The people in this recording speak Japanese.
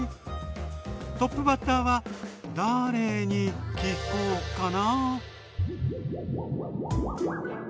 トップバッターはだれに聞こうかな？